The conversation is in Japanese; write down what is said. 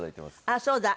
あっそうだ！